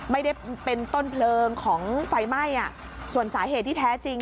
ไม่ได้เป็นต้นเพลิงของไฟไหม้อ่ะส่วนสาเหตุที่แท้จริง